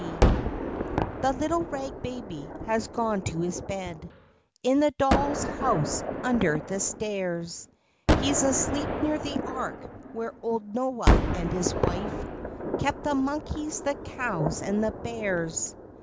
C he little rag baby has gone to his bed In the doll's house under the stairs, He's asleep near the ark, where old Noah and his wife Keep the monkeys, the cows and the bears.